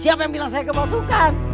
siapa yang bilang saya kemasukan